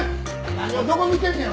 何をどこ見てんねん。